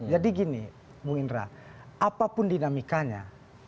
jadi gini bu indra apapun dinamikanya